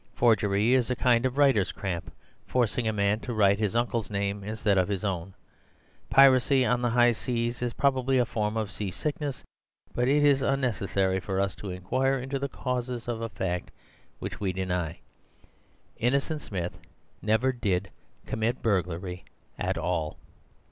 Forgery is a kind of writer's cramp, forcing a man to write his uncle's name instead of his own. Piracy on the high seas is probably a form of sea sickness. But it is unnecessary for us to inquire into the causes of a fact which we deny. Innocent Smith never did commit burglary at all.